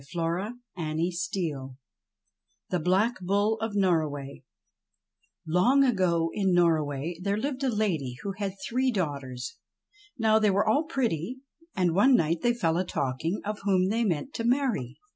Goody me I THE BLACK BULL OF NORROWAY LONG ago in Norroway there lived a lady who had i three daughters. Now they were all pretty, and one night they fell a talking of whom they meant to marry.